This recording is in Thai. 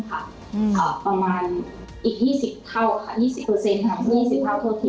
ประมาณอีก๒๐เท่าค่ะ๒๐เปอร์เซ็นต์ครับ